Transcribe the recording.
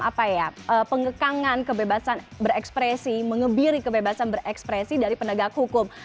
apa ya pengekangan kebebasan berekspresi mengebiri kebebasan berekspresi dari penegak hukum